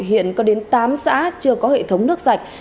hiện có đến tám xã chưa có hệ thống nước sạch